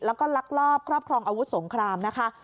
แล้วก็ลักลอบครอบครองอาวุธสงครามนะคะ